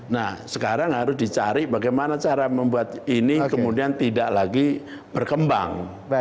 nah sekarang harus dicari bagaimana cara membuat ini kemudian tidak lagi berkembang